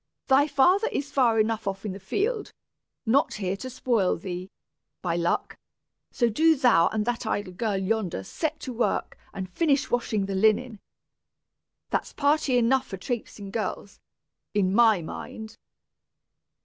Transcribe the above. "Thy father is far enough off in the field, not here to spoil thee, by luck; so do thou and that idle girl yonder set to work and finish washing the linen. That's party enough for trapesing girls, in my mind!"